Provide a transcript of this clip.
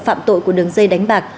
phạm tội của đường dây đánh bạc